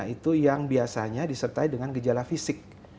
itu yang biasanya disertai dengan gejala fisik